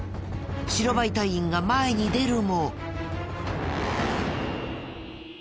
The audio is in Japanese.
白バイ隊員が前に出るも。